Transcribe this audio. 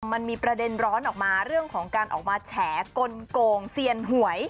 มันมีประเด็นร้อนออกมาเรื่องของการออกมาแฉกลงเซียนหวย